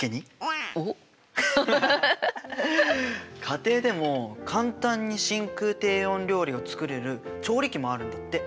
家庭でも簡単に真空低温料理を作れる調理器もあるんだって。